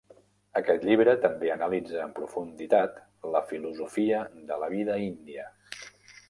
Aquest llibre també analitza en profunditat la filosofia de la vida índia.